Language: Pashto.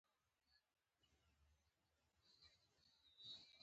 د علمای کرامو د نظریاتو د غورچاڼ څخه جامع تعریف